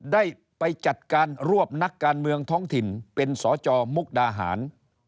ได้ไปจัดการรวบนักการเมืองท้องถิ่นเป็นสจมุกดาหาร